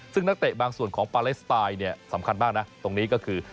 ซึ่งนักเตะบางส่วนของปาเลสไตล์เนี่ยสำคัญมากนะตรงนี้ก็คือ